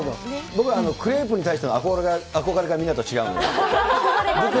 僕はクレープに対しての憧れがみんなと違うんですか。